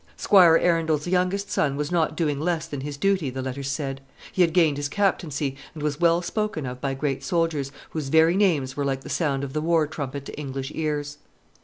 Squire Arundel's youngest son was not doing less than his duty, the letters said. He had gained his captaincy, and was well spoken of by great soldiers, whose very names were like the sound of the war trumpet to English ears.